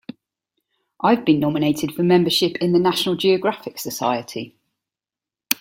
I've been nominated for membership in the National Geographic Society.